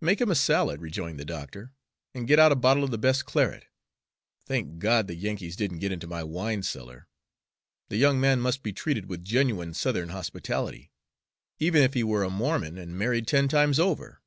"Make him a salad," rejoined the doctor, "and get out a bottle of the best claret. Thank God, the Yankees didn't get into my wine cellar! The young man must be treated with genuine Southern hospitality, even if he were a Mormon and married ten times over."